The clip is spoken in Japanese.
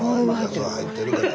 それ入ってるから。